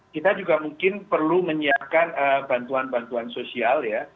kita juga mungkin perlu menyiapkan bantuan bantuan sosial ya